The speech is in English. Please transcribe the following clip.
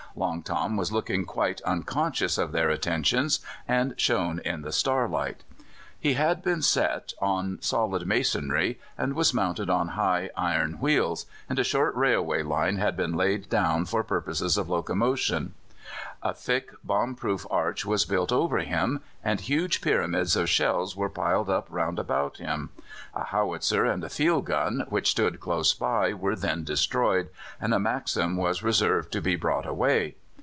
Long Tom was looking quite unconscious of their attentions, and shone in the starlight. He had been set on solid masonry, was mounted on high iron wheels, and a short railway line had been laid down for purposes of locomotion. A thick bomb proof arch was built over him, and huge pyramids of shells were piled up round about him. A Howitzer and a field gun, which stood close by, were then destroyed, and a Maxim was reserved to be brought away.